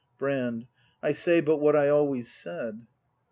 Brand. I say but what I always said!